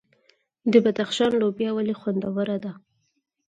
د بدخشان لوبیا ولې خوندوره ده؟